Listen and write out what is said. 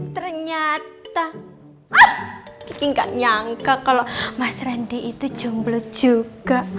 ternyata kiki gak nyangka kalau mas randy itu jomblot juga